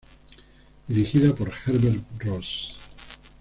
Dirigida por Herbert Ross.